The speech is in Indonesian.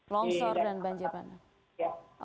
longsor dan banjir bandang